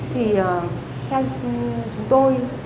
thì theo chúng tôi